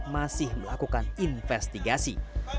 masih melakukan investigasi